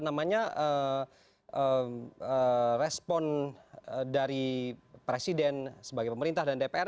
namanya respon dari presiden sebagai pemerintah dan dpr